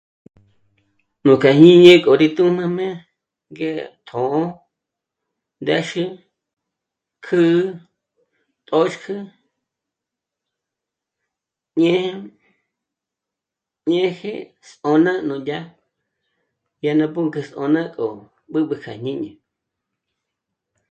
Nú kjá jñíni k'o rá tùjmü m'âjmé ngé tjṓ'ō ndéxi kjǜ'ü tóxkü ñé'e ñéje ts'ôna nú dyà, dyà ná pǔnk'ü sôna k'o b'ǚb'ü k'a jñíni